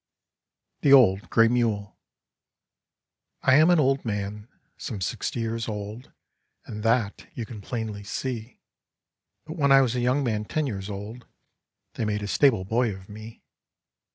THE OLD GRAY MULE I am an old man some sixty years old And that you can plain li see, But when I was a young man ten years old They made a stable boy of me.